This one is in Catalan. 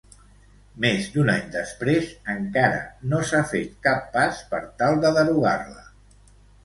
Més d'un any després, encara no s'ha fet cap pas per tal de derogar-la.